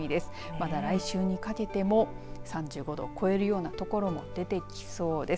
まだ来週にかけても３５度を超えるようなところも出てきそうです。